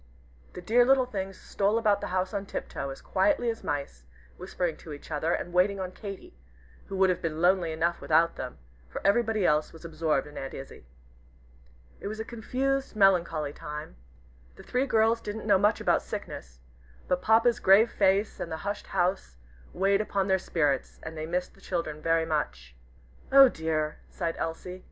The dear little things stole about the house on tiptoe, as quietly as mice, whispering to each other, and waiting on Katy, who would have been lonely enough without them, for everybody else was absorbed in Aunt Izzie. It was a confused, melancholy time. The three girls didn't know much about sickness, but Papa's grave face, and the hushed house, weighed upon their spirits, and they missed the children very much. "Oh dear!" sighed Elsie.